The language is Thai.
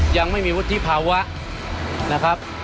ยังไม่มีวุฒิภาวะนะครับ